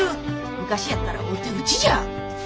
昔やったらお手討ちじゃ。